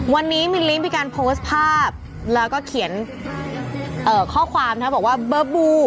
วันนี้มิลลิ้นมีการโพสต์ภาพแล้วก็เขียนข้อความบอกว่าเบอร์บู